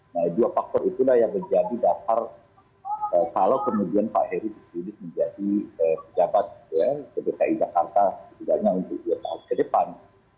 nah dua faktor itulah yang menjadi dasar kalau kemudian pak heri ditunjuk menjadi pejabat dki jakarta setidaknya untuk dua tahun ke depan